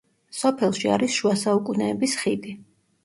სოფელში არის შუა საუკუნეების ხიდი.